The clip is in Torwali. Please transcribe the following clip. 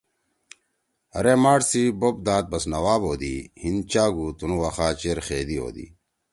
ہرے ماݜ سی بوپ داد بس نواب ہودی۔ ہیِن چاگُوتُنُو وخا چیر خیدی ہودی۔